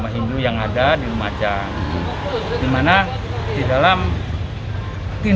aku ingin melakukan apa apa